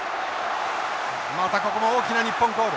またここも大きな日本コール。